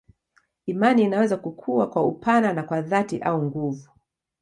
Imani inaweza kukua kwa upana na kwa dhati au nguvu.